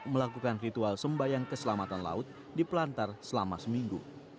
melakukan ritual sembayang keselamatan laut di pelantar selama seminggu